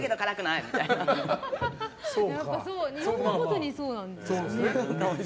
いろいろなことにそうなんですね。